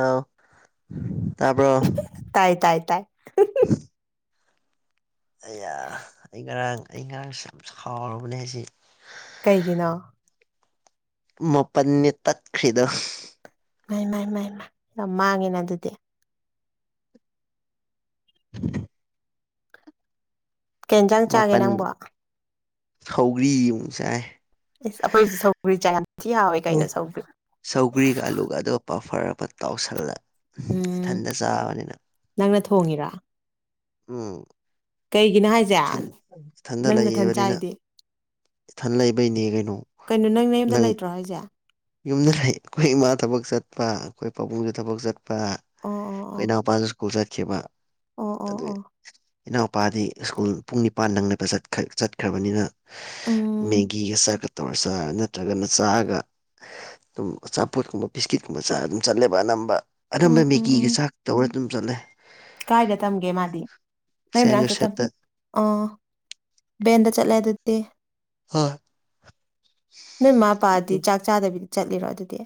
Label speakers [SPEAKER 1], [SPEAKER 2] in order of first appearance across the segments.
[SPEAKER 1] ꯑꯥꯎ ꯇꯥꯕ꯭ꯔꯣ
[SPEAKER 2] ꯇꯥꯏ ꯇꯥꯏ ꯇꯥꯏ
[SPEAKER 1] ꯑꯩ ꯑꯥ ꯑꯩ ꯉꯔꯥꯡ ꯑꯩ ꯉꯔꯥꯡꯁꯦ ꯁꯥꯎꯔꯕꯅꯦ ꯍꯥꯏꯁꯤ
[SPEAKER 2] ꯀꯩꯒꯤꯅꯣ
[SPEAKER 1] ꯃꯥꯄꯟꯅꯦ ꯇꯠꯈ꯭ꯔꯤꯗꯣ
[SPEAKER 2] ꯃꯥꯥꯏ ꯃꯥꯥꯏ ꯃꯥꯥꯏ ꯃꯥꯥꯏ ꯌꯥꯝ ꯃꯥꯡꯉꯤꯅ ꯑꯗꯨꯗꯤ
[SPEAKER 1] [inaudible]
[SPEAKER 2] ꯀꯩ ꯌꯦꯟꯖꯥꯡ ꯆꯥꯒꯦ
[SPEAKER 1] ꯃꯥꯄꯟ
[SPEAKER 2] ꯅꯪꯕꯣ
[SPEAKER 1] ꯁꯧꯒ꯭ꯔꯤꯃꯨꯛ ꯆꯥꯏ
[SPEAKER 2] ꯏꯁ ꯑꯩꯈꯣꯏꯁꯨ ꯁꯧꯒ꯭ꯔꯤ ꯆꯥꯢ ꯌꯥꯝ ꯊꯤ ꯌꯥꯎꯋꯦ ꯀꯩꯅꯣ ꯁꯧꯒ꯭ꯔꯤ
[SPEAKER 1] ꯑꯥꯂꯨꯒꯗꫭ ꯄꯥꯐꯔ ꯑꯃ ꯇꯥꯎꯁꯤꯜꯂ
[SPEAKER 2] ꯎꯝ
[SPEAKER 1] ꯏꯊꯟꯇ ꯆꯥꯕꯅꯤꯅ
[SPEAKER 2] ꯅꯪꯅ ꯊꯣꯡꯉꯤꯔꯣ
[SPEAKER 1] ꯎꯝ
[SPEAKER 2] ꯀꯩꯒꯤꯅꯣ ꯍꯥꯏꯁꯦ
[SPEAKER 1] ꯊꯟ ꯏꯊꯟꯗ
[SPEAKER 2] ꯅꯪ ꯅꯊꯟ
[SPEAKER 1] ꯂꯩꯕꯅꯤꯅ
[SPEAKER 2] ꯆꯥꯏꯗꯤ
[SPEAKER 1] ꯏꯊꯟ ꯂꯩꯕꯩꯅꯦ ꯀꯩꯅꯣ
[SPEAKER 2] ꯀꯩꯅꯣ ꯅꯌꯨꯝꯗ
[SPEAKER 1] ꯅꯪ
[SPEAKER 2] ꯂꯩꯇ꯭ꯔꯣ ꯍꯥꯏꯁꯦ ꯑꯣ
[SPEAKER 1] ꯌꯨꯝꯗ ꯂꯩ ꯑꯩꯈꯣꯏ ꯏꯃꯥ ꯊꯕꯛ ꯆꯠꯄ ꯑꯩꯈꯣꯏ ꯄꯥꯕꯨꯡꯁꯨ ꯊꯕꯛ ꯆꯠ ꯄꯥ ꯑꯩꯈꯣꯏ
[SPEAKER 2] ꯑꯣ
[SPEAKER 1] ꯏꯅꯥꯎꯄꯥꯁꯨ ꯁ꯭ꯀꯨꯜ ꯆꯠꯈꯤꯕ
[SPEAKER 2] ꯑꯣ ꯑꯣ ꯑꯣ
[SPEAKER 1] ꯑꯗꯨꯢ
[SPEAKER 2] ꯑꯣ
[SPEAKER 1] ꯏꯅꯥꯎꯄꯥꯗꯤ ꯁ꯭ꯀꯨꯜ ꯄꯨꯡ ꯅꯤꯄꯥꯟ ꯅꯪꯅꯕ ꯆꯠꯈꯥ ꯆꯠꯈ꯭ꯔꯥꯕꯅꯤꯅ
[SPEAKER 2] ꯎꯝ
[SPEAKER 1] ꯃꯦꯒꯤꯒ ꯆꯥꯛꯀ ꯇꯧꯔ ꯆꯥꯔ ꯅꯠꯇ꯭ꯔꯥꯒꯅ ꯆꯥꯒ ꯑꯗꯨꯝ ꯑꯆꯥꯄꯣꯠꯀꯨꯝꯕ ꯕꯤꯁꯀꯤꯠꯀꯨꯝꯕ ꯆꯥꯔ ꯑꯗꯨꯝ ꯆꯠꯂꯦꯕ ꯑꯅꯝꯕ ꯑꯅꯝꯕ
[SPEAKER 2] ꯎꯝ ꯎꯝ ꯎꯝ
[SPEAKER 1] ꯃꯦꯒꯤꯒ ꯆꯥꯛ ꯇꯧꯔ ꯗꯨꯝ ꯆꯠꯂꯦ
[SPEAKER 2] ꯀꯥꯏꯗ ꯇꯝꯒꯦ ꯃꯥꯗꯤ ꯅꯣꯏ
[SPEAKER 1] ꯁꯦꯟ
[SPEAKER 2] ꯃꯅꯥꯛꯇ ꯇꯝ
[SPEAKER 1] ꯖꯣꯁꯦꯞꯇ
[SPEAKER 2] ꯑꯣ ꯚꯦꯟꯗ ꯆꯠꯂꯦ ꯑꯗꯨꯗꯤ
[SPEAKER 1] ꯍꯣꯏ
[SPEAKER 2] ꯅꯣꯏ ꯃꯥꯥ ꯄꯥꯗꯤ ꯆꯥꯛ ꯆꯥꯗꯕꯤꯗ ꯆꯠꯂꯤꯔꯣ ꯑꯗꯨꯗꯤ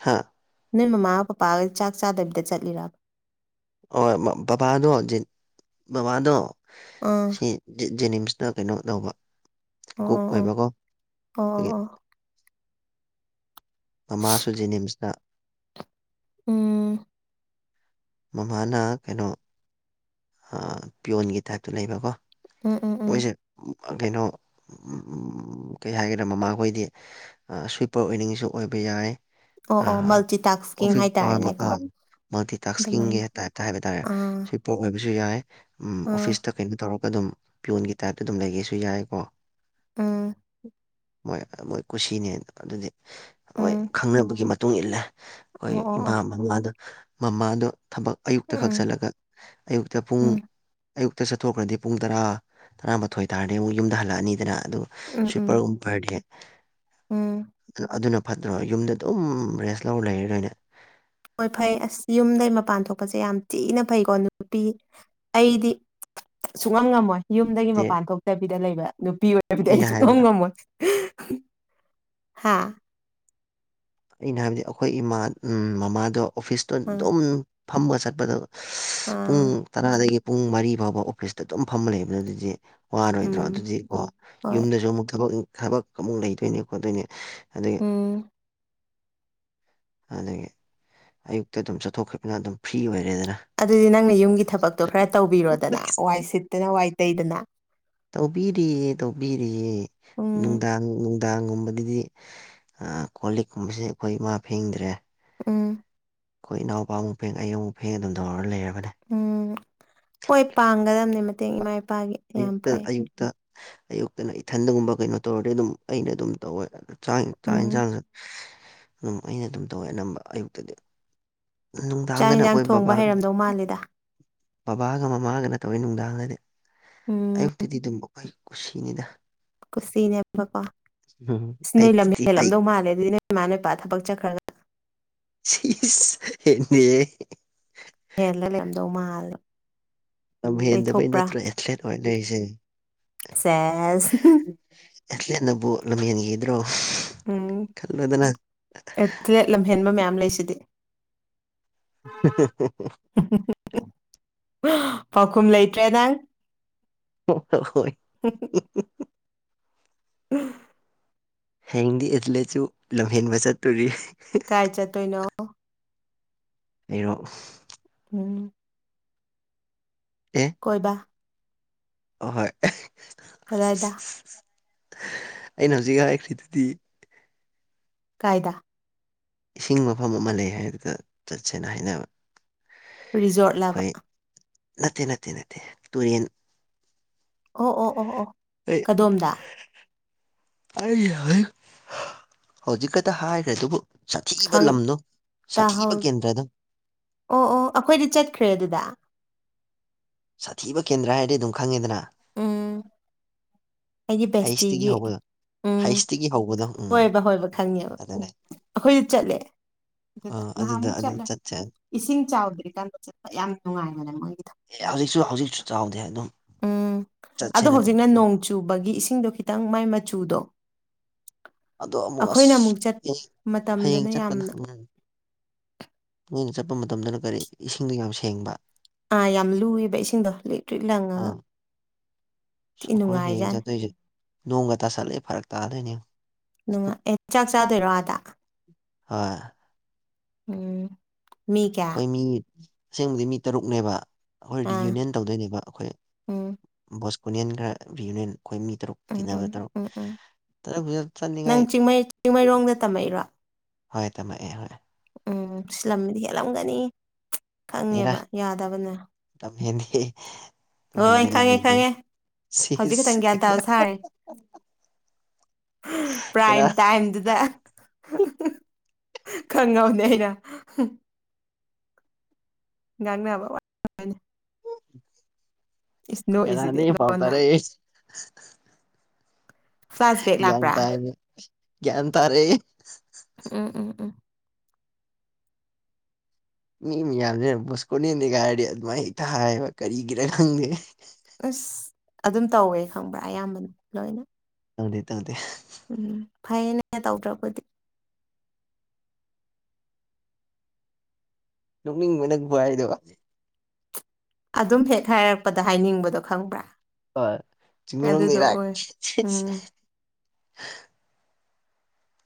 [SPEAKER 1] ꯍꯥꯥ
[SPEAKER 2] ꯅꯣꯏ ꯃꯃꯥꯒ ꯄꯄꯥꯒ ꯆꯥꯛ ꯆꯥꯗꯕꯤꯗ ꯆꯠꯂꯤꯔꯕ
[SPEAKER 1] ꯍꯣꯏ ꯃꯃꯥ ꯕꯕꯥꯗꯣ ꯖꯦꯟ ꯕꯕꯥꯗꯣ
[SPEAKER 2] ꯑꯥ
[SPEAKER 1] ꯁꯤ ꯖꯦ ꯖꯦꯅꯤꯝꯁꯇ ꯀꯩꯅꯣ ꯇꯧꯕ
[SPEAKER 2] ꯑꯣ
[SPEAKER 1] ꯀꯨꯛ
[SPEAKER 2] ꯑꯣ ꯑꯣ
[SPEAKER 1] ꯑꯣꯏꯕꯀꯣ
[SPEAKER 2] ꯑꯣ ꯑꯣ
[SPEAKER 1] ꯑꯗꯒꯤ
[SPEAKER 2] ꯑꯣ
[SPEAKER 1] ꯃꯃꯥꯁꯨ ꯖꯦꯅꯤꯝꯁꯇ
[SPEAKER 2] ꯎꯝ꯫
[SPEAKER 1] ꯃꯃꯥꯅ ꯀꯩꯅꯣ ꯑꯥ ꯄꯤꯌꯣꯟꯒꯤ ꯇꯥꯏꯞꯇ ꯂꯩꯕꯀꯣ
[SPEAKER 2] ꯎꯝ ꯎꯝ ꯎꯝ
[SPEAKER 1] ꯃꯣꯏꯁꯦ ꯑꯥ ꯀꯩꯅꯣ ꯀꯩ ꯍꯥꯏꯒꯦꯔ ꯃꯃꯥꯈꯣꯏꯗꯤ ꯑꯥ ꯁ꯭ꯋꯤꯄꯔ ꯑꯣꯏꯅꯤꯡꯉꯁꯨ ꯑꯣꯏꯕ ꯌꯥꯏ
[SPEAKER 2] ꯑꯣ
[SPEAKER 1] ꯑ
[SPEAKER 2] ꯑꯣ ꯃꯜꯇꯤꯇꯥꯛꯁꯀꯤꯡ
[SPEAKER 1] ꯑꯣꯐꯤꯁ [unintelligible]
[SPEAKER 2] ꯍꯥꯏꯇꯥꯔꯦꯅꯦꯀꯣ
[SPEAKER 1] ꯃꯐꯝ ꯃꯜꯇꯤ ꯇꯥꯛꯁꯀꯤꯡꯒꯤ
[SPEAKER 2] ꯑꯗꯨꯃꯥꯏꯅ
[SPEAKER 1] ꯇꯥꯏꯞꯇ ꯍꯥꯏꯕ ꯇꯥꯔꯦ
[SPEAKER 2] ꯑꯥ
[SPEAKER 1] ꯁ꯭ꯋꯤꯞ ꯄꫭꯛ ꯑꯣꯏꯕꯁꯨ ꯌꯥꯏ ꯎꯝ
[SPEAKER 2] ꯑꯥ
[SPEAKER 1] ꯑꯣꯐꯤꯁꯇ ꯀꯩꯅꯣ ꯇꯧꯔꯒ ꯑꯗꯨꯝ ꯄꯤꯌꯣꯟꯒꯤ ꯇꯥꯏꯞꯇ ꯑꯗꯨꯝ ꯂꯩꯒꯦꯁꯨ ꯌꯥꯏ ꯀꯣ
[SPEAKER 2] ꯎꯝ
[SPEAKER 1] ꯃꯣꯏ ꯃꫭꯏ ꯀꯨꯁꯤꯅꯦ ꯑꯗꯨꯗꯤ ꯍꯣꯏ
[SPEAKER 2] ꯎꯝ
[SPEAKER 1] ꯈꯪꯅꯕꯒꯤ ꯃꯇꯨꯡ ꯏꯜꯂꯦ ꯑꯩꯈꯣꯏ
[SPEAKER 2] ꯑꯣ ꯑꯣ
[SPEAKER 1] ꯏꯃꯥ
[SPEAKER 2] ꯑꯣ
[SPEAKER 1] ꯃꯃꯥꯗ ꯃꯃꯥꯗꯣ ꯊꯕꯛ ꯑꯌꯨꯛꯇ ꯈꯛ
[SPEAKER 2] ꯎꯝ
[SPEAKER 1] ꯆꯠꯂꯒ ꯑꯌꯨꯛꯇ ꯄꯨꯡ
[SPEAKER 2] ꯎꯝ
[SPEAKER 1] ꯑꯌꯨꯛꯇ ꯆꯠꯊꯣꯛꯈ꯭ꯔꯗꯤ ꯄꯨꯡ ꯇꯔꯥ ꯇꯔꯥꯃꯥꯊꯣꯏ ꯇꯥꯔꯗꯤ ꯑꯃꯨꯛ ꯌꯨꯝꯗ ꯍꯜꯂꯛꯑꯅꯤꯗꯅ ꯑꯗꯨ
[SPEAKER 2] ꯎꯝ ꯎꯝ
[SPEAKER 1] ꯁ꯭ꯋꯤꯄꯔꯒꯨꯝꯄꯔꯗꯤ
[SPEAKER 2] ꯎꯝ
[SPEAKER 1] ꯑꯗꯨꯅ ꯐꯠꯇ꯭ꯔꯣ ꯌꯨꯝꯗ ꯑꯗꯨꯝ ꯔꯦꯁ ꯂꯧꯔ ꯂꯩꯔꯗꯣꯢꯅꯦ
[SPEAKER 2] ꯍꯣꯏ ꯐꯩ ꯑꯁ ꯌꯨꯝꯗꯒꯤ ꯃꯄꯥꯟ ꯊꯣꯛꯄꯁꯦ ꯌꯥꯝ ꯊꯤꯅ ꯐꯩꯀꯣ ꯅꯨꯄꯤ ꯑꯩꯗꯤ ꯁꯨꯛꯉꯝ ꯉꯝꯃꯣꯏ ꯌꯨꯝꯗꯒꯤ
[SPEAKER 1] ꯗꯦ
[SPEAKER 2] ꯃꯄꯥꯟ ꯊꯣꯛꯇꯕꯤꯗ ꯂꯩꯕ ꯅꯨꯄꯤ ꯑꯣꯏꯕꯗꯤ
[SPEAKER 1] ꯑꯩꯅ
[SPEAKER 2] ꯑꯩ ꯁꯨꯡꯉꯝ
[SPEAKER 1] ꯍꯥꯏꯕ
[SPEAKER 2] ꯉꯝꯃꯣꯏ ꯍꯥꯥ
[SPEAKER 1] ꯑꯩꯅ ꯍꯥꯏꯕꯗꯤ ꯑꯩꯈꯣꯏ ꯏꯃꯥ ꯃꯃꯥꯗꯣ ꯑꯣꯐꯤꯁꯇꯣ
[SPEAKER 2] ꯑꯥ
[SPEAKER 1] ꯑꯗꯨꯝ ꯐꯝꯃ ꯆꯠꯄꯗꯣ ꯄꯨꯡ
[SPEAKER 2] ꯑꯥ
[SPEAKER 1] ꯇꯔꯥꯗꯒꯤ ꯄꯨꯡ ꯃꯔꯤ ꯐꯥꯎꯕ ꯑꯣꯐꯤꯁꯇ ꯑꯗꯨꯝ ꯐꯝꯃ ꯂꯩꯕꯗꯣ ꯑꯗꯨꯗꯤ ꯋꯥꯔꯣꯏꯗ꯭ꯔꯣ
[SPEAKER 2] ꯎꯝ
[SPEAKER 1] ꯑꯗꯨꯗꯤ ꯀꯣ
[SPEAKER 2] ꯍꯣꯏ
[SPEAKER 1] ꯌꯨꯝꯗꯁꯨ ꯑꯃꯨꯛ ꯊꯕꯛ ꯊꯕꯛ ꯑꯃꯨꯛ ꯂꯩꯗꯣꯏꯅꯦ ꯈꯣꯠꯇꯣꯏꯅꯦ ꯑꯗꯨꯒꯤ
[SPEAKER 2] ꯎꯝ
[SPEAKER 1] ꯑꯗꯨꯒꯤ ꯑꯌꯨꯛꯇ ꯑꯗꯨꯝ ꯆꯠꯊꯣꯛꯈꯤꯕꯅ ꯑꯗꯨꯝ ꯐ꯭ꯔꯤ ꯑꯣꯏꯔꯦꯗꯅ
[SPEAKER 2] ꯑꯗꯨꯗꯤ ꯅꯪꯅ ꯌꯨꯝꯒꯤ ꯊꯕꯛꯇꯣ ꯈꯔ ꯇꯧꯕꯤꯔꯣꯗꯅ ꯋꯥꯏ ꯁꯤꯠꯇꯅ ꯋꯥꯏ ꯇꯩꯗꯅ
[SPEAKER 1] ꯇꯧꯕꯤꯔꯤꯌꯦ ꯇꯧꯕꯤꯔꯤꯌꯦ
[SPEAKER 2] ꯎꯝ
[SPEAKER 1] ꯅꯨꯡꯗꯥꯡ ꯅꯨꯡꯗꯥꯡꯒꯨꯝꯕꯗꯗꯤ ꯀꯣꯜ ꯂꯤꯛꯀꯨꯝꯕꯁꯦ ꯑꯩꯈꯣꯏ ꯏꯃꯥ ꯐꯦꯡꯗ꯭ꯔꯦ
[SPEAKER 2] ꯎꯝ
[SPEAKER 1] ꯑꯩꯈꯣꯏ ꯏꯅꯥꯎꯄꯥꯃꯨꯛ ꯐꯦꯡ ꯑꯩ ꯑꯃꯨꯛ ꯐꯦꯡ ꯑꯗꯨꯝ ꯇꯧꯔꯒ ꯂꯩꯔꯕꯅꯦ
[SPEAKER 2] ꯎꯝ ꯍꯣꯏ ꯄꯥꯡꯒꯗꯕꯅꯦ ꯃꯇꯦꯡ ꯏꯃꯥ ꯏꯄꯥꯒꯤ ꯌꯥꯝ
[SPEAKER 1] ꯑꯌꯨꯛꯇ
[SPEAKER 2] ꯐꯩ
[SPEAKER 1] ꯑꯌꯨꯛꯇ ꯑꯌꯨꯛꯇꯅ ꯏꯊꯟꯗꯒꯨꯝꯕ ꯀꯩꯅꯣ ꯇꯧꯔꯗꯤ ꯑꯗꯨꯝ ꯑꯩꯅ ꯑꯗꯨꯝ ꯇꯧꯋꯦ ꯆꯥꯛ ꯆꯥꯛ
[SPEAKER 2] ꯎꯝ
[SPEAKER 1] ꯌꯦꯟꯁꯥꯡꯁꯨ ꯑꯗꯨꯝ ꯑꯩꯅ ꯑꯗꯨꯝ ꯇꯧꯋꯦ ꯑꯅꯝꯕ ꯑꯌꯨꯛꯇꯗꯤ
[SPEAKER 2] ꯆꯥꯛ
[SPEAKER 1] ꯅꯨꯡꯗꯥꯡꯗꯅ
[SPEAKER 2] ꯌꯦꯟꯁꯥꯡ
[SPEAKER 1] ꯑꯩꯈꯣꯏ
[SPEAKER 2] ꯊꯣꯡꯕ
[SPEAKER 1] ꯕꯕꯥꯒ
[SPEAKER 2] ꯍꯩꯔꯝꯗꯧ ꯃꯥꯜꯂꯦꯗ
[SPEAKER 1] ꯕꯕꯥꯒ ꯃꯃꯥꯒꯅ ꯇꯧꯋꯦ ꯅꯨꯡꯗꯥꯡꯗꯗꯤ
[SPEAKER 2] ꯎꯝ
[SPEAKER 1] ꯑꯌꯨꯛꯇꯗꯤ ꯑꯗꯨꯝ ꯑꯩꯈꯣꯏ ꯀꯨꯁꯤꯅꯤꯗ
[SPEAKER 2] ꯀꯨꯁꯤꯅꯦꯕꯀꯣ
[SPEAKER 1] ꯎꯝ
[SPEAKER 2] ꯁꯤ ꯅꯣꯢ ꯂꯝ
[SPEAKER 1] ꯑꯌꯨꯛꯇꯗꯤ ꯑꯩ
[SPEAKER 2] ꯍꯦꯜꯂꯝꯗꯧ ꯃꯥꯜꯂꯦ ꯑꯗꯨꯏꯅꯦ ꯏꯃꯥꯅ ꯏꯄꯥ ꯊꯕꯛ ꯆꯠꯈ꯭ꯔꯒ
[SPEAKER 1] ꯁꯤꯁ ꯍꯦꯟꯗꯦꯍꯦ
[SPEAKER 2] ꯍꯦꯜꯂ ꯂꯩꯔꯝꯗꯧ ꯃꯥꯜꯂꯣ
[SPEAKER 1] ꯌꯥꯝ ꯍꯦꯟꯗꯕꯩ ꯅꯠꯇ꯭ꯔꯣ ꯑꯦꯊ꯭ꯂꯦꯠ ꯑꯣꯏꯅ ꯂꯩꯔꯤꯁꯦ
[SPEAKER 2] ꯁꯦꯁ
[SPEAKER 1] ꯑꯦꯊ꯭ꯂꯦꯠꯅꯕꯨ ꯂꯝ ꯍꯦꯟꯒꯦ ꯗ꯭ꯔꯣ
[SPEAKER 2] ꯎꯝ ꯑꯦꯊ꯭ꯂꯦꯠ ꯂꯝꯍꯦꯟꯕ ꯃꯌꯥꯝ ꯂꯩꯁꯤꯗꯤ
[SPEAKER 1] [unintelligible]
[SPEAKER 2] ꯄꯥꯎꯈꯨꯝ ꯂꯩꯇ꯭ꯔꯦꯗꯥ ꯅꯪ
[SPEAKER 1] ꯍ ꯍꯣꯏ ꯍꯣꯏ [unintelligible]
[SPEAKER 2] ꯍ [unintelligible]
[SPEAKER 1] [unintelligible]
[SPEAKER 2] ꯎꯝ
[SPEAKER 1] ꯍꯌꯦꯡꯗꯤ ꯑꯦꯊꯂꯦꯠꯁꯨ ꯂꯝꯍꯦꯟꯕ ꯆꯠꯇꯣꯔꯤ
[SPEAKER 2] ꯀꯥꯏ ꯆꯠꯇꯣꯏꯅꯣ
[SPEAKER 1] ꯑꯔꯣꯁꯛ [unintelligible]
[SPEAKER 2] ꯎꯝ
[SPEAKER 1] ꯑꯦ
[SPEAKER 2] ꯀꯣꯏꯕ
[SPEAKER 1] ꯑꯍꯣꯏ
[SPEAKER 2] ꯀꯗꯥꯏꯗ
[SPEAKER 1] ꯑꯩꯅ ꯍꯧꯖꯤꯛ ꯍꯥꯏꯈ꯭ꯔꯤꯗꯨꯗꯤ
[SPEAKER 2] ꯀꯥꯏꯗ
[SPEAKER 1] ꯏꯁꯤꯡ ꯃꯐꯝ ꯑꯃ ꯂꯩ ꯍꯥꯏꯗꯨꯗ ꯆꯠꯁꯦꯅ ꯍꯥꯏꯅꯕ
[SPEAKER 2] ꯔꯤꯖꯣꯔꯠ ꯂꯥꯕ
[SPEAKER 1] ꯑꯩꯈꯣꯏ ꯅꯠꯇꯦ ꯅꯠꯇꯦ ꯅꯠꯇꯦ ꯇꯨꯔꯤꯟ
[SPEAKER 2] ꯑꯣ ꯑꯣ ꯑꯣ ꯑꯣ
[SPEAKER 1] ꯑꯩ
[SPEAKER 2] ꯀꯗꯣꯝꯗ
[SPEAKER 1] ꯑꯩ ꯍꯩ ꯍꯧꯖꯤꯛ ꯈꯛꯇ ꯍꯥꯏꯒ꯭ꯔꯗꯨꯕꯨ ꯁꯥꯊꯤꯕ
[SPEAKER 2] ꯈꯪ
[SPEAKER 1] ꯂꯝꯗꯣ ꯁꯥꯊꯤꯕ
[SPEAKER 2] ꯇꯥꯍꯧ
[SPEAKER 1] ꯀꯦꯟꯗ꯭ꯔꯗꯣ
[SPEAKER 2] ꯑꯣ ꯑꯣ ꯑꯈꯣꯏꯗꯤ ꯆꯠꯈ꯭ꯔꯦ ꯑꯗꯨꯗ
[SPEAKER 1] ꯁꯥꯊꯤꯕ ꯀꯦꯟꯗ꯭ꯔ ꯍꯥꯏꯔꯗꯤ ꯑꯗꯨꯝ ꯈꯪꯉꯦꯗꯅ
[SPEAKER 2] ꯑꯩꯒꯤ
[SPEAKER 1] ꯍꯩꯁꯇꯒꯤ
[SPEAKER 2] ꯕꯦꯁꯇꯤꯒꯤ
[SPEAKER 1] ꯍꯧꯕꯗꯣ
[SPEAKER 2] ꯎꯝ
[SPEAKER 1] ꯍꯩꯁꯇꯒꯤ ꯍꯧꯕꯗꯣ ꯎꯝ
[SPEAKER 2] ꯍꯣꯏꯕ ꯍꯣꯏꯕ ꯈꯪꯉꯦꯕ
[SPEAKER 1] ꯑꯗꯨꯅꯦ
[SPEAKER 2] ꯑꯈꯣꯏꯗꯤ ꯆꯠꯂꯦ ꯑꯗꯨꯗ
[SPEAKER 1] ꯑꯥ
[SPEAKER 2] ꯅꯍꯥꯟꯃꯨꯛ
[SPEAKER 1] ꯑꯗꯨ
[SPEAKER 2] ꯆꯠꯂꯦ
[SPEAKER 1] ꯆꯠꯁꯦ ꯑꯦ
[SPEAKER 2] ꯏꯁꯤꯡ ꯆꯥꯎꯗ꯭ꯔꯤꯀꯥꯟꯗ ꯆꯠꯄ ꯌꯥꯝ ꯅꯨꯡꯉꯥꯏꯕꯅꯦ ꯃꯣꯏꯒꯤꯗꯣ
[SPEAKER 1] ꯑꯦ ꯍꯧꯖꯤꯛꯁꯨ ꯍꯧꯖꯤꯛꯁꯨ ꯆꯥꯎꯗꯦ ꯑꯗꯨꯝ
[SPEAKER 2] ꯎꯝ ꯑꯗꯣ
[SPEAKER 1] ꯆꯠꯁꯦꯅ ꯑꯗꯨꯝ
[SPEAKER 2] ꯍꯧꯖꯤꯛꯅ ꯅꯣꯡ ꯆꯨꯕꯒꯤ ꯏꯁꯤꯡꯗꯣ ꯈꯤꯇꯪ ꯃꯥꯏ ꯃꯆꯨꯗꯣ
[SPEAKER 1] ꯑꯗꯣ ꯑꯃꯨꯛ
[SPEAKER 2] ꯑꯩꯈꯣꯏꯅ ꯑꯃꯨꯛ ꯆꯠ
[SPEAKER 1] ꯑꯁ [unintelligible] ꯍꯌꯦꯡ
[SPEAKER 2] ꯃꯇꯝꯗꯅ
[SPEAKER 1] ꯆꯠꯄꯗ
[SPEAKER 2] ꯌꯥꯝꯅ
[SPEAKER 1] [unintelligible] ꯅꯣꯏꯅ ꯆꯠꯄ ꯃꯇꯝꯗꯅ ꯀꯔꯤ ꯏꯁꯤꯡꯗꯣ ꯌꯥꯝ ꯁꯦꯡꯕ
[SPEAKER 2] ꯑꯥ ꯌꯥꯝ ꯂꯨꯋꯦꯕ ꯏꯁꯤꯡꯗꯣ ꯂꯤꯛ ꯇ꯭ꯔꯤꯛ ꯂꯪꯉꯒ
[SPEAKER 1] ꯑꯥ
[SPEAKER 2] ꯊꯤ
[SPEAKER 1] ꯑꯩꯈꯣꯏ ꯍꯌꯦꯡ
[SPEAKER 2] ꯅꯨꯡꯉꯥꯏꯖꯥꯠꯅꯤ
[SPEAKER 1] ꯆꯠꯇꯣꯏꯁꯦ ꯅꯣꯡꯒ ꯇꯥꯁꯜꯂꯛꯑꯦ ꯐꯔꯛ ꯇꯥꯔꯗꯨꯏꯅꯦ
[SPEAKER 2] ꯅꯨꯡꯉꯥꯏ ꯑꯦ ꯆꯥꯛ ꯆꯥꯗꯣꯏꯔꯣ ꯑꯥꯗ
[SPEAKER 1] ꯍꯣꯢ
[SPEAKER 2] ꯎꯝ ꯃꯤ ꯀ꯭ꯌꯥ
[SPEAKER 1] ꯈꯣꯏ ꯃꯤ ꯑꯁꯦꯡꯕꯗꯤ ꯃꯤ ꯇꯔꯨꯛꯅꯦꯕ ꯑꯈꯣꯏ
[SPEAKER 2] ꯑꯥ
[SPEAKER 1] ꯔꯤꯌꯨꯅꯤꯌꯟ ꯇꯧꯗꯣꯏꯅꯦꯕ ꯑꯈꯣꯏ
[SPEAKER 2] ꯎꯝ
[SPEAKER 1] ꯕꯣꯁꯀꯣꯅꯤꯌꯟ ꯈꯔ ꯔꯤꯌꯨꯅꯤꯌꯟ ꯑꯈꯣꯏ ꯃꯤ ꯇꯔꯨꯛ
[SPEAKER 2] ꯎꯝ
[SPEAKER 1] ꯇꯤꯟꯅꯕ
[SPEAKER 2] ꯎꯝ
[SPEAKER 1] ꯇꯔꯨꯛ
[SPEAKER 2] ꯎꯝ ꯎꯝ
[SPEAKER 1] ꯇꯔꯨꯛꯇꯨꯗ ꯆꯠꯅꯤꯡꯉꯥꯏ
[SPEAKER 2] ꯅꯪꯩ ꯆꯤꯡꯃꯩ ꯆꯤꯡꯃꯩꯔꯣꯡꯗ ꯇꯝꯃꯛꯏꯔꯣ
[SPEAKER 1] ꯍꯣꯏ ꯇꯝꯃꯛꯑꯦ ꯍꯣꯏ
[SPEAKER 2] ꯎꯝ ꯁꯤ ꯂꯝꯗꯤ ꯍꯦꯜꯂꯝꯒꯅꯤ ꯈꯪꯉꯦꯕ ꯌꯥꯗꯕꯅꯦ
[SPEAKER 1] ꯂꯝꯍꯦꯟꯗꯦꯍꯦ
[SPEAKER 2] ꯍꯣꯏ ꯈꯪꯉꯦ ꯈꯪꯉꯦ ꯍꯧꯖꯤꯛ ꯈꯛꯇꯪ
[SPEAKER 1] ꯁꯤꯁ
[SPEAKER 2] ꯒ꯭ꯌꯥꯟ ꯇꯥꯕ ꯁꯥꯔꯤ
[SPEAKER 1] ꯀꯅꯥ
[SPEAKER 2] ꯄ꯭ꯔꯥꯏꯝ ꯇꯥꯏꯝꯗꯨꯗ [unintelligible] ꯈꯪꯉꯕꯅꯦ ꯑꯩꯅ ꯉꯥꯡꯅꯕ ꯋꯥ ꯏꯁ ꯅꯣꯛꯏꯁꯤꯗꯤ
[SPEAKER 1] ꯀꯅꯥꯗꯩ ꯄꯥꯎ
[SPEAKER 2] ꯂꯣꯟꯅ
[SPEAKER 1] ꯇꯥꯔꯛꯏ
[SPEAKER 2] ꯐ꯭ꯂꯥꯁꯕꯦꯛ
[SPEAKER 1] ꯒ꯭ꯌꯥꯟ
[SPEAKER 2] ꯂꯥꯛꯄ꯭ꯔꯥ
[SPEAKER 1] ꯇꯥꯢꯅꯦ ꯒ꯭ꯌꯥꯟ ꯇꯥꯔꯛꯑꯦ
[SPEAKER 2] ꯎꯝ ꯎꯝ ꯎꯝ
[SPEAKER 1] ꯃꯤ ꯃꯌꯥꯝꯖꯦ ꯕꯣꯁꯀꯣꯅ꯭ꯌꯟꯅꯤꯒꯥꯏꯔꯗꯤ ꯑꯗꯨꯃꯥꯏ ꯍꯦꯛꯇ ꯍꯥꯢꯌꯦꯕ ꯀꯔꯤꯒꯤꯔꯥ ꯈꯪꯗꯦ
[SPEAKER 2] ꯑꯁ ꯑꯗꯨꯝ ꯇꯧꯋꯦ ꯈꯪꯕ꯭ꯔꯥ ꯑꯌꯥꯝꯕꯅ ꯂꯣꯏꯅ
[SPEAKER 1] ꯇꯧꯗꯦ ꯇꯧꯗꯦ
[SPEAKER 2] ꯎꯝ ꯐꯩꯅꯦ ꯇꯧꯗ꯭ꯔꯕꯨꯗꯤ
[SPEAKER 1] ꯅꯣꯛꯅꯤꯡꯕ ꯅꯪ ꯈꯨꯍꯥꯏꯗꯣ
[SPEAKER 2] ꯑꯗꯨꯝ ꯍꯦꯛ ꯍꯥꯏꯔꯛꯄꯗ ꯍꯥꯏꯅꯤꯡꯕꯗꯣ ꯈꯪꯕ꯭ꯔꯥ
[SPEAKER 1] ꯍꯣꯢ
[SPEAKER 2] ꯑꯗꯨꯗꯣ
[SPEAKER 1] ꯆꯤꯡꯃꯩꯔꯣꯡꯗꯩꯔꯥ
[SPEAKER 2] ꯑꯣꯏ ꯎꯝ
[SPEAKER 1] [unintelligible]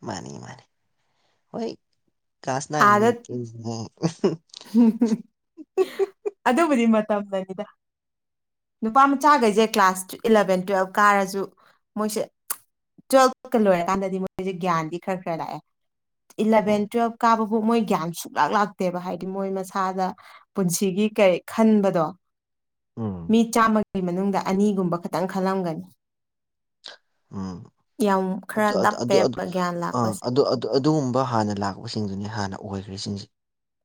[SPEAKER 1] ꯃꯥꯅꯤ ꯃꯥꯅꯤ ꯍꯣꯏ ꯀ꯭ꯂꯥꯁ ꯅꯥꯢꯟ
[SPEAKER 2] ꯑꯥꯗ [unintelligible] ꯑꯗꯨꯕꯨꯗꯤ ꯃꯇꯝꯅꯅꯤꯗ ꯅꯨꯄꯥ ꯃꯆꯥꯒꯩꯁꯦ ꯀ꯭ꯂꯥꯁ ꯇꯨ ꯏꯂꯚꯦꯟ ꯇ꯭ꯋꯦꯜꯚ ꯀꯥꯔꯁꯨ ꯃꯣꯏꯁꯦ ꯇ꯭ꯋꯦꯜꯚꯀ ꯂꯣꯏꯔꯀꯥꯟꯗꯗꯤ ꯃꯣꯏꯖꯦ ꯒ꯭ꯌꯥꯟꯗꯤ ꯈꯔ ꯈꯔ ꯂꯥꯛꯑꯦ ꯏꯂꯚꯦꯟ
[SPEAKER 1] ꯎꯝ
[SPEAKER 2] ꯇꯨꯋꯦꯜꯕ ꯀꯥꯕꯕꯥꯎ ꯃꯣꯏ ꯒ꯭ꯌꯥꯟ ꯁꯨꯡꯂꯥꯛ ꯂꯥꯛꯇꯦꯕ ꯍꯥꯏꯗꯤ ꯃꯣꯏ ꯃꯁꯥꯗ ꯄꯨꯟꯁꯤꯒꯤ ꯀꯩ ꯈꯟꯕꯗꯣ ꯃꯤ
[SPEAKER 1] ꯎꯝ
[SPEAKER 2] ꯆꯥꯝꯃ ꯒꯤ ꯃꯅꯨꯡꯗ ꯑꯅꯤꯒꯨꯝꯕ ꯈꯇꯪ ꯈꯜꯂꯝꯒꯅꯤ ꯌꯥꯝ ꯈꯔ
[SPEAKER 1] ꯑꯗꯨ ꯑꯗꯨ ꯑꯗꯨ ꯑꯗꯨ
[SPEAKER 2] ꯇꯞꯄꯦꯕ ꯒ꯭ꯌꯥꯟ
[SPEAKER 1] ꯑꯥ
[SPEAKER 2] ꯂꯥꯛꯄꯁꯦ
[SPEAKER 1] ꯑꯗꯨ ꯑꯗꯨ ꯑꯗꯨꯒꯨꯝꯕ ꯍꯥꯟꯅ ꯂꯥꯛꯄꯁꯤꯡꯗꯨꯅꯤ ꯍꯥꯟꯅ ꯑꯣꯏꯈ꯭ꯔꯤ ꯁꯤꯡꯁꯦ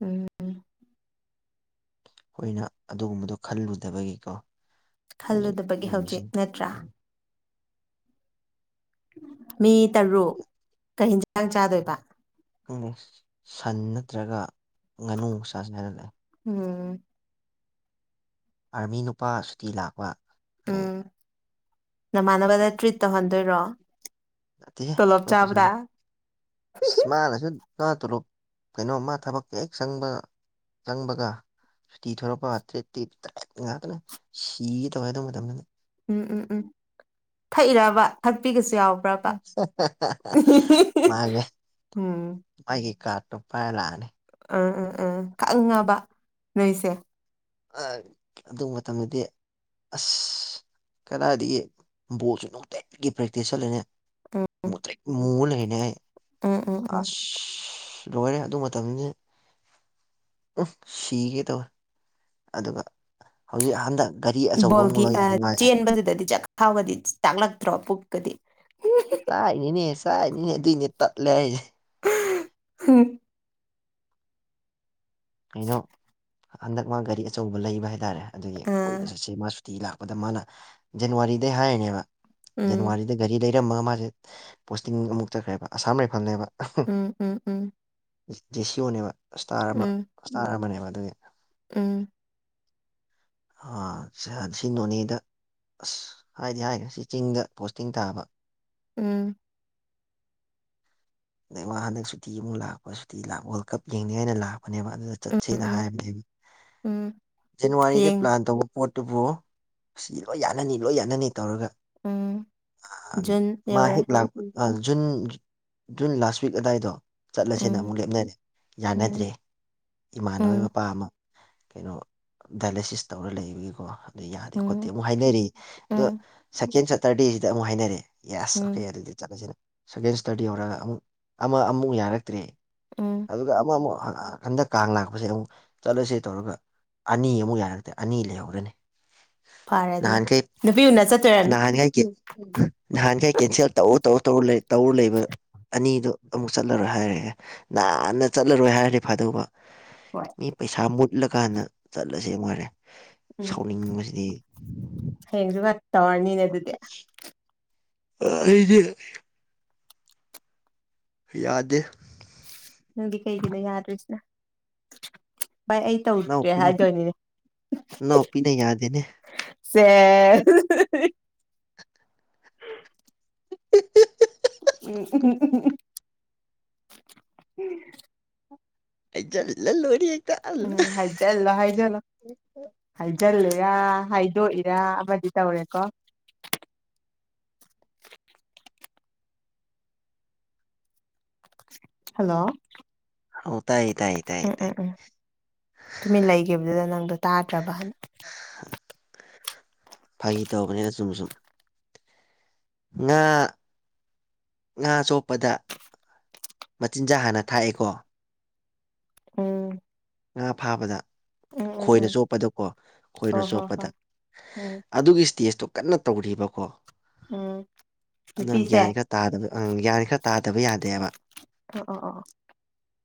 [SPEAKER 2] ꯎꯝ
[SPEAKER 1] ꯑꯩꯈꯣꯏꯅ ꯑꯗꯨꯒꯨꯝꯕꯗꯣ ꯈꯜꯂꯨꯗꯕꯒꯤꯀꯣ ꯍꯧꯖꯤꯛ
[SPEAKER 2] ꯈꯜꯂꯨꯗꯕꯒꯤ
[SPEAKER 1] ꯂꯝꯕꯤꯁꯤ
[SPEAKER 2] ꯍꯧꯖꯤꯛ ꯅꯠꯇ꯭ꯔꯥ
[SPEAKER 1] ꯎꯝ
[SPEAKER 2] ꯃꯤ ꯇꯔꯨꯛ ꯀꯩ ꯍꯤꯟꯖꯥꯡ ꯆꯥꯗꯣꯏꯕ
[SPEAKER 1] [unintelligible] ꯁꯟ ꯅꯠꯇ꯭ꯔꯒ ꯉꯥꯅꯨ ꯆꯥꯁꯦ ꯍꯥꯏꯔ ꯂꯩ
[SPEAKER 2] ꯎꯝ
[SPEAKER 1] ꯑꯥꯔꯃꯤ ꯅꯨꯄꯥ ꯁꯨꯇꯤ ꯂꯥꯛꯄ ꯑꯗꯒꯤ
[SPEAKER 2] ꯎꯝ ꯅꯃꯥꯟꯅꯕꯗ ꯇ꯭ꯔꯤꯠ ꯇꯧꯍꯟꯗꯣꯏꯔꯣ
[SPEAKER 1] ꯅꯠꯇꯦꯍꯦ
[SPEAKER 2] ꯇꯣꯂꯣꯞ
[SPEAKER 1] ꯍꯣꯏ
[SPEAKER 2] ꯆꯥꯕꯗ
[SPEAKER 1] ꯄꯩꯁꯥꯅꯤ ꯑꯁ ꯃꯥꯅꯁꯨ ꯃꯥ ꯇꯣꯂꯣꯞ ꯀꯩꯅꯣ ꯃꯥ ꯊꯕꯛ ꯍꯦꯛ ꯆꯪꯕꯒ ꯆꯪꯕꯒ ꯁꯨꯇꯤ ꯊꯣꯔꯛꯄ ꯇ꯭ꯔꯤꯠ ꯇꯤꯠ ꯗꯥꯢꯔꯦꯛ ꯉꯥꯛꯇꯅꯦ ꯁꯤꯒꯦ ꯇꯧꯋꯦ ꯑꯗꯨ ꯃꯇꯝꯗꯗꯤꯥ
[SPEAKER 2] ꯎꯝ ꯎꯝ ꯎꯝ ꯊꯛꯏꯔꯕ ꯊꯛꯄꯤꯒꯁꯨ ꯌꯥꯎ ꯕ꯭ꯔꯥꯄꯥ
[SPEAKER 1] ꯃꯥꯜꯂꯦ
[SPEAKER 2] ꯎꯝ
[SPEAKER 1] ꯃꯥꯒꯤ ꯀꯥꯔꯠꯇꯣ ꯄꯥꯏꯔ ꯂꯥꯛꯑꯅꯤ
[SPEAKER 2] ꯎꯝ ꯎꯝ ꯎꯝ ꯈꯪꯉꯕ ꯅꯣꯏꯁꯦ
[SPEAKER 1] ꯑ ꯑꯗꯨ ꯃꯇꯝꯗꯗꯤ ꯑꯁ ꯀꯗꯥꯏꯗꯒꯤ ꯕꯣꯜꯁꯨ ꯅꯨꯡꯇꯤꯒꯤ ꯄ꯭ꯔꯦꯛꯇꯤꯁ ꯆꯠꯂꯤꯅꯦ ꯃꯨꯇ꯭ꯔꯤꯛ ꯃꯨꯔ ꯂꯩꯅꯦ ꯑꯩ
[SPEAKER 2] ꯎꯝ ꯎꯝ ꯎꯝ
[SPEAKER 1] ꯑꯥꯁ ꯂꯣꯏꯔꯦ ꯑꯗꯨ ꯃꯇꯝꯗꯨꯗꯤ ꯎꯝꯍ ꯁꯤꯒꯦ ꯇꯧꯋꯦ ꯑꯗꯨꯒ ꯍꯧꯖꯤꯛ ꯍꯟꯗꯛ ꯒꯥꯔꯤ ꯑꯆꯧꯕ ꯑꯃꯨꯛ
[SPEAKER 2] ꯕꯣꯜꯒꯤꯀꯥ
[SPEAKER 1] ꯂꯩꯔꯤ ꯃꯥꯁꯦ
[SPEAKER 2] ꯆꯦꯟꯕꯗꯨꯗꯗꯤ ꯆꯥꯛꯈꯥꯎꯒꯥꯗꯤ ꯇꯥꯛꯂꯛꯇ꯭ꯔꯣ ꯄꯨꯛꯀꯗꯤ
[SPEAKER 1] ꯆꯥꯛꯏꯅꯤꯅꯦ ꯆꯥꯛꯏꯅꯤꯅꯦ ꯑꯗꯨꯏꯅꯦ ꯇꯠꯂꯦ ꯍꯥꯏꯖꯦ
[SPEAKER 2] [unintelligible]
[SPEAKER 1] ꯀꯩꯅꯣ ꯍꯟꯗꯛ ꯃꯥ ꯒꯥꯔꯤ ꯑꯆꯧꯕ ꯂꯩꯕ ꯍꯥꯏꯇꯥꯔꯦ ꯑꯗꯨꯒꯤ
[SPEAKER 2] ꯑꯥ
[SPEAKER 1] ꯀꯣꯏꯕ ꯆꯠꯁꯦ ꯃꯥꯁꯨ ꯇꯤ ꯂꯥꯛꯄꯗ ꯃꯥꯅ ꯖꯅꯋꯥꯔꯤꯗꯩ ꯍꯥꯏꯔꯤꯅꯦꯕ
[SPEAKER 2] ꯎꯝ
[SPEAKER 1] ꯖꯅꯋꯥꯔꯤꯗ ꯒꯥꯔꯤ ꯂꯩ ꯏꯤꯔꯝꯃꯒ ꯃꯥꯁꯦ ꯄꯣꯁꯇꯤꯡ ꯑꯃꯨꯛ ꯆꯠꯈ꯭ꯔꯦꯕ ꯑꯁꯥꯝ ꯔꯥꯏꯐꯜꯅꯦꯕ
[SPEAKER 2] ꯎꯝ ꯎꯝ ꯎꯝ
[SPEAKER 1] ꯖꯦꯁꯤꯌꯣꯅꯦꯕ ꯏꯁꯇꯥꯔ ꯑꯃ
[SPEAKER 2] ꯎꯝ
[SPEAKER 1] ꯏꯁꯇꯥꯔ ꯑꯃꯅꯦꯕ ꯑꯗꯨꯒꯤ
[SPEAKER 2] ꯎꯝ
[SPEAKER 1] ꯁꯤ ꯅꯣꯅꯦꯗ ꯑꯁ ꯍꯥꯏꯗꯤ ꯍꯥꯏꯔꯦ ꯁꯤ ꯆꯤꯡꯗ ꯄꯣꯁꯇꯤꯡ ꯇꯥꯕ
[SPEAKER 2] ꯎꯝ
[SPEAKER 1] ꯑ ꯃꯥ ꯍꯟꯗꯛ ꯁꯨꯇꯤ ꯑꯃꯨꯛ ꯂꯥꯛꯄ ꯁꯨꯇꯤ ꯂꯥꯛꯄ ꯋꯥꯔꯜ ꯀꯞ ꯌꯦꯡꯅꯤ ꯍꯥꯏꯅ ꯂꯥꯛꯄꯅꯦꯕ ꯑꯗꯨꯗ
[SPEAKER 2] ꯎꯝ
[SPEAKER 1] ꯆꯠꯁꯦꯅ
[SPEAKER 2] ꯎꯝ
[SPEAKER 1] ꯍꯥꯏꯕꯅꯦ
[SPEAKER 2] ꯎꯝ
[SPEAKER 1] ꯖꯅꯋꯥꯔꯤꯗ
[SPEAKER 2] ꯍꯌꯦꯡ
[SPEAKER 1] ꯄ꯭ꯂꯥꯟ ꯇꯧꯕ ꯄꯣꯠꯇꯨꯕꯨ ꯁꯤ ꯂꯣꯏ ꯌꯥꯅꯅꯤ ꯂꯣꯏ ꯌꯥꯅꯅꯤ ꯇꯧꯔꯒ
[SPEAKER 2] ꯎꯝ ꯖꯨꯟ ꯌꯧꯔꯦ
[SPEAKER 1] ꯃꯥꯍꯦꯛ ꯂꯥꯛꯄ ꯖꯨꯟ ꯖꯨꯟ ꯂꯥꯁ ꯋꯤꯛ ꯑꯗꯥꯏꯗꯣ ꯆꯠꯂꯁꯦꯅ
[SPEAKER 2] ꯎꯝ
[SPEAKER 1] ꯑꯃꯨꯛ ꯂꯦꯞꯅꯔꯦ ꯌꯥꯅꯗ꯭ꯔꯦ
[SPEAKER 2] ꯎꯝ
[SPEAKER 1] ꯏꯃꯥꯟꯅꯕ
[SPEAKER 2] ꯎꯝ
[SPEAKER 1] ꯃꯄꯥ ꯑꯃ ꯀꯩꯅꯣ ꯗꯥꯏꯂꯦꯁꯤꯁ ꯇꯧꯔ ꯂꯩꯕꯒꯤꯀꯣ ꯑꯗꯨ ꯌꯥꯗꯦ ꯈꯣꯠꯇꯦ
[SPEAKER 2] ꯎꯝ
[SPEAKER 1] ꯑꯃꯨꯛ ꯍꯥꯏꯅꯔꯤ ꯑꯗꯣ
[SPEAKER 2] ꯎꯝ
[SPEAKER 1] ꯁꯦꯀꯦꯟ ꯁꯇꯔꯗꯦꯁꯤꯗ ꯑꯃꯨꯛ ꯍꯥꯏꯅꯔꯦ ꯌꯥꯁ ꯑꯣꯀꯦ
[SPEAKER 2] ꯎꯝ
[SPEAKER 1] ꯑꯗꯨꯗꯤ ꯆꯠꯂꯁꯦꯅ ꯁꯒꯦꯟ ꯁꯤꯁꯇ꯭ꯔꯥꯗꯤ ꯌꯧꯔꯥꯛ ꯑꯒ ꯑꯃꯨꯛ ꯑꯃ ꯑꯃꯨꯛ ꯌꯥꯔꯛꯇ꯭꯭ꯔꯦ
[SPEAKER 2] ꯎꯝ
[SPEAKER 1] ꯑꯗꯨꯒ ꯑꯃ ꯑꯃꯨꯛ ꯍꯟꯗꯛ ꯀꯥꯡ ꯂꯥꯛꯄꯁꯦ ꯑꯃꯨꯛ ꯆꯠꯂꯁꯦ ꯇꯧꯔꯒ ꯑꯅꯤ ꯑꯃꯨꯛ ꯌꯥꯔꯛꯇ꯭ꯔꯦ ꯑꯅꯤ ꯂꯩꯍꯧꯔꯅꯦ
[SPEAKER 2] ꯐꯔꯦ ꯑꯗꯨꯅ
[SPEAKER 1] ꯅꯍꯥꯟꯈꯩ
[SPEAKER 2] ꯅꯨꯄꯤ ꯎꯅ ꯆꯠꯇꯣꯏꯔꯅꯤ
[SPEAKER 1] ꯅꯍꯥꯟꯈꯩ ꯀꯤ ꯅꯍꯥꯟꯈꯩ ꯀꯦꯟꯁꯦꯜ ꯇꯧ ꯇꯧ ꯇꯧꯔ ꯂꯩ ꯇꯧꯔ ꯂꯩꯕ ꯑꯅꯤꯗꯣ ꯑꯃꯨꯛ ꯆꯠꯂꯔꯣꯏ ꯍꯥꯏꯔꯛꯑꯦ ꯅꯥꯍꯥꯟꯅ ꯆꯠꯂꯔꯣꯏ ꯍꯥꯏꯔꯗꯤ ꯐꯥꯗꯧꯕ
[SPEAKER 2] ꯍꯣꯏ
[SPEAKER 1] ꯃꯤ ꯄꯩꯁꯥ ꯃꯨꯠꯂꯀꯥꯟꯗ ꯆꯠꯂꯁꯦ ꯑꯃꯨꯛ ꯍꯥꯢꯔꯛꯑꯦ
[SPEAKER 2] ꯎꯝ
[SPEAKER 1] ꯁꯥꯎꯅꯤꯡꯕꯁꯤꯗꯤ
[SPEAKER 2] ꯍꯌꯦꯡꯁꯨ ꯈꯥ ꯇꯧꯔꯥꯅꯤꯅꯦ ꯑꯗꯨ
[SPEAKER 1] ꯑ ꯑꯩꯗꯤ ꯌꯥꯗꯦ
[SPEAKER 2] ꯅꯪꯗꯤ ꯀꯩꯒꯤꯅꯣ ꯌꯥꯗ꯭ꯔꯤꯁꯤꯅ ꯚꯥꯏ ꯑꯩ ꯇꯧꯗ꯭ꯔꯦ
[SPEAKER 1] ꯏꯅꯥꯎꯄꯤꯅ
[SPEAKER 2] ꯍꯥꯏꯗꯣꯏꯅꯤꯅꯦ
[SPEAKER 1] ꯏꯅꯥꯎꯄꯤꯅ ꯌꯥꯗꯦꯅꯦ
[SPEAKER 2] ꯁꯦꯁ ꯍꯤ ꯍꯤ ꯍꯤ ꯎꯝ ꯎꯍꯨꯝ ꯎꯍꯨꯝ ꯎꯍꯨꯝ ꯎꯝ
[SPEAKER 1] ꯍꯥꯏꯖꯜꯂ ꯂꯣꯏꯔꯦ
[SPEAKER 2] ꯎꯝ ꯍꯥꯏ ꯍꯥꯏꯖꯤꯜꯂꯣ ꯍꯥꯏꯖꯤꯜꯂꯣ ꯍꯥꯏꯖꯜꯂꯤꯔꯥ ꯍꯥꯏꯗꯣꯛꯏꯔꯥ ꯑꯃꯗꯤ ꯇꯧꯔꯦꯀꯣ ꯍꯜꯂꯣ
[SPEAKER 1] ꯑꯣ ꯇꯥꯏꯌꯦ ꯇꯥꯏꯌꯦ ꯇꯥꯏꯌꯦ
[SPEAKER 2] ꯎꯝ
[SPEAKER 1] ꯇꯥꯏ
[SPEAKER 2] ꯎꯝ ꯎꯝ ꯇꯨꯃꯤꯟ ꯂꯩꯒꯤꯕꯗꯨꯗ ꯅꯪꯗꯣ ꯇꯥꯗ꯭ꯔꯕꯅ
[SPEAKER 1] ꯐꯥꯒꯤ ꯇꯧꯕꯅꯦꯗ ꯆꯨꯝꯅꯥ ꯁꯨꯝ ꯉꯥ ꯉꯥ ꯆꯣꯞꯄꯗ ꯃꯆꯤꯟꯖꯥꯛ ꯍꯥꯟꯅ ꯊꯥꯛꯑꯦꯀꯣ
[SPEAKER 2] ꯎꯝ
[SPEAKER 1] ꯉꯥ ꯐꯥꯕꯗ
[SPEAKER 2] ꯎꯝ ꯎꯝ
[SPEAKER 1] ꯈꯣꯏꯅ
[SPEAKER 2] ꯎꯝ
[SPEAKER 1] ꯆꯣꯞꯄꯗꯀꯣ
[SPEAKER 2] ꯍꯣ
[SPEAKER 1] ꯈꯣꯏꯅ
[SPEAKER 2] ꯍꯣ
[SPEAKER 1] ꯆꯣꯞꯄꯗ
[SPEAKER 2] ꯍꯣꯏ ꯎꯝ
[SPEAKER 1] ꯑꯗꯨꯒꯤ ꯏꯁꯇꯦꯖꯇꯣ ꯀꯟꯅ ꯇꯧꯔꯤꯕꯀꯣ
[SPEAKER 2] ꯎꯝ
[SPEAKER 1] ꯑꯗꯨꯅ
[SPEAKER 2] ꯅꯨꯄꯤꯁꯦ
[SPEAKER 1] ꯒ꯭ꯌꯥꯟ ꯈꯔ ꯇꯥꯗꯕ ꯑꯪ ꯒ꯭ꯌꯟ ꯈꯔ ꯇꯥꯗꯕ ꯌꯥꯗꯦꯕ
[SPEAKER 2] ꯑꯣ ꯑꯣ ꯑꯣ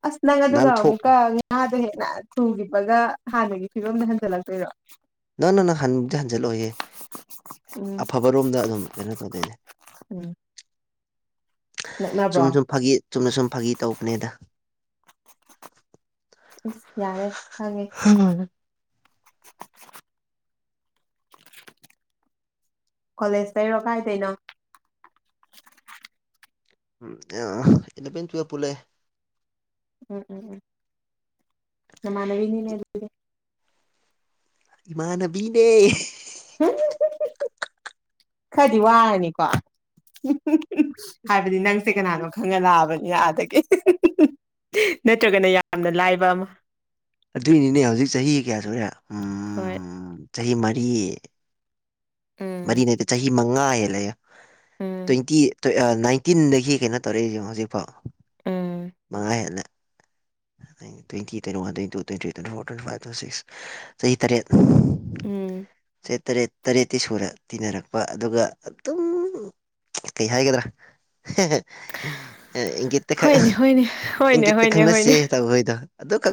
[SPEAKER 2] ꯑꯁ ꯅꯪ ꯑꯗꯨꯒ
[SPEAKER 1] ꯅꯥꯟꯊꯣꯛ
[SPEAKER 2] ꯑꯃꯨꯛꯀ ꯉꯥꯗꯣ ꯍꯦꯟꯅ ꯊꯨꯒꯤꯕꯒ ꯍꯥꯟꯅꯒꯤ ꯐꯤꯕꯝꯗ ꯍꯟꯖꯜꯂꯛꯇꯣꯏꯔꯣ
[SPEAKER 1] ꯅꯣꯅꯣ ꯅꯣ ꯍꯟꯕꯗꯤ ꯍꯟꯖꯜꯂꯛꯑꯣꯏꯍꯦ
[SPEAKER 2] ꯎꯝ
[SPEAKER 1] ꯑꯐꯕ ꯔꯣꯝꯗ ꯑꯗꯨꯝ ꯀꯩꯅꯣ ꯇꯧꯗꯣꯏꯅꯦ
[SPEAKER 2] ꯎꯝ ꯅꯛꯅꯕ꯭ꯔꯣ
[SPEAKER 1] ꯆꯨꯝꯅꯥ ꯁꯨꯝ ꯐꯥꯒꯤ ꯆꯨꯝꯅ ꯁꯨꯝ ꯐꯥꯒꯤ ꯇꯧꯕꯅꯦꯗ
[SPEAKER 2] ꯏꯁ ꯌꯥꯔꯦ ꯈꯪꯉꯦ ꯀꯣꯂꯦꯖ ꯇꯩꯔꯣ ꯀꯥꯏꯗꯩꯅꯣ
[SPEAKER 1] ꯑ ꯏꯜꯂꯦꯚꯦꯟ ꯇꯨꯋꯦꯐ ꯄꯨꯜꯂꯛꯑꯦ
[SPEAKER 2] ꯎꯝ ꯎꯝ ꯎꯝ ꯅꯃꯥꯟꯅꯕꯤꯅꯤꯅꯦ ꯑꯗꯨꯗꯤ
[SPEAKER 1] ꯏꯃꯥꯟꯅꯕꯤꯅꯦ
[SPEAKER 2] ꯎꯝ ꯍꯨꯝ ꯍꯨꯝ ꯍꯨꯝ ꯈꯔꯗꯤ ꯋꯥꯔꯅꯤꯀꯣ ꯍꯨꯝ ꯍꯨꯝ ꯍꯨꯝ ꯍꯥꯏꯕꯗꯤ ꯅꯪꯁꯦ ꯀꯅꯥꯅꯣ ꯈꯪꯉ ꯂꯥꯛꯑꯕꯅꯤꯅ ꯑꯥꯗꯒꯤ ꯍ ꯍ ꯍ ꯍꯥ ꯅꯠꯇ꯭ꯔꯒꯅ ꯌꯥꯝꯅ ꯂꯥꯏꯕ ꯑꯃ
[SPEAKER 1] ꯑꯗꯨꯏꯅꯤꯅꯦ ꯍꯧꯖꯤꯛ ꯆꯍꯤ ꯀꯌꯥ ꯁꯨꯔꯦ
[SPEAKER 2] ꯍꯣꯏ
[SPEAKER 1] ꯎꯝ ꯆꯍꯤ ꯃꯔꯤ
[SPEAKER 2] ꯎꯝ
[SPEAKER 1] ꯃꯔꯤ ꯅꯠꯇ‌ꯦ ꯆꯍꯤ ꯃꯉꯥ ꯍꯦꯜꯂꯦ ꯌꯛ
[SPEAKER 2] ꯎꯝ
[SPEAKER 1] ꯇꯣꯏꯟꯇꯤ ꯇꯣ ꯑ ꯅꯥꯏꯟꯇꯤꯟꯗꯒꯤ ꯀꯩꯅꯣ ꯇꯧꯔꯛꯏꯖꯦ ꯍꯧꯖꯤꯛꯐꯥꯎ
[SPEAKER 2] ꯎꯝ
[SPEAKER 1] ꯃꯉꯥ ꯍꯦꯜꯂꯦ ꯑꯩꯅ twenty twenty one twenty two twenty three twenty four twenty five twenty six ꯆꯍꯤ ꯇꯔꯦꯠ
[SPEAKER 2] ꯎꯝ
[SPEAKER 1] ꯆꯍꯤ ꯇꯔꯦꯠ ꯇꯔꯦꯠꯇꯤ ꯁꯨꯔꯦ ꯇꯤꯟꯅꯔꯛꯄ ꯑꯗꯨꯒ ꯑꯗꯨꯝ ꯀꯩ ꯍꯥꯏꯒꯗ꯭ꯔꯥ ꯑ ꯏꯪꯒꯤꯠꯇꯈꯛ
[SPEAKER 2] ꯍꯣꯏꯅꯦ ꯍꯣꯏꯅꯦ ꯍꯣꯏꯅꯦ
[SPEAKER 1] ꯏꯪꯒꯤꯠꯇ
[SPEAKER 2] ꯍꯣꯏꯅꯦ
[SPEAKER 1] ꯈꯪꯅꯁꯦ
[SPEAKER 2] ꯍꯣꯏꯅꯦ
[SPEAKER 1] ꯇꯧꯕꯩꯗꯣ ꯑꯗꯨꯈꯛ